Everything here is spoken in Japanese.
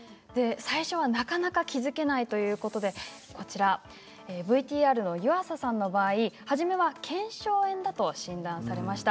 最初はなかなか気付けないということでＶＴＲの湯浅さんの場合初めは腱鞘炎だと診断されました。